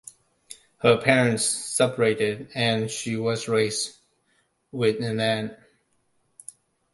Her parents separated and she was raised with an aunt.